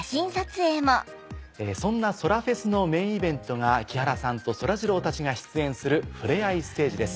そんなそらフェスのメインイベントが木原さんとそらジローたちが出演するふれあいステージです。